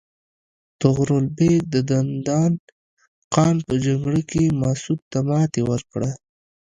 طغرل بیګ د دندان قان په جګړه کې مسعود ته ماتې ورکړه.